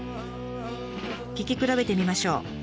聴き比べてみましょう。